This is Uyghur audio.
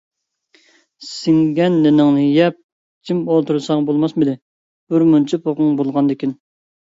سىڭگەن نېنىڭنى يەپ جىم ئولتۇرساڭ بولماسمىدى، بىرمۇنچە پوقۇڭ بولغاندىكىن؟ !